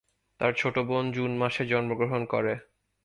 তার ছোট বোন জুন মাসে জন্মগ্রহণ করে।